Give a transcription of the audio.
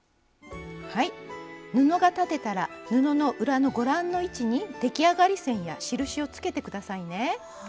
布が裁てたら布の裏のご覧の位置に出来上がり線や印をつけて下さいね。